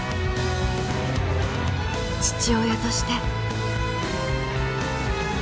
父親として。